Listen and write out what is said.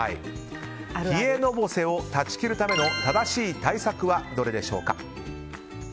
冷えのぼせを断ち切るための正しい対策はどれでしょうか？